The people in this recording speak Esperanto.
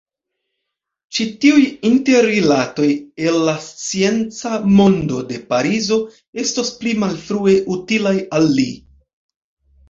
Ĉi-tiuj interrilatoj el la scienca mondo de Parizo estos pli malfrue utilaj al li.